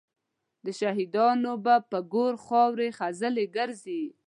د شهیدانو به پر ګور خاوري خزلي ګرځي